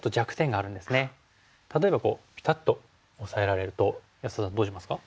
例えばピタッとオサえられると安田さんどうしますか？